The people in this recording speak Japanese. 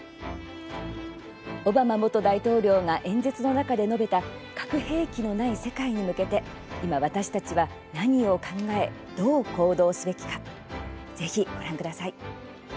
オバマ元大統領が演説の中で述べた核兵器のない世界に向けて今、私たちは何を考えどう行動すべきかぜひご覧ください。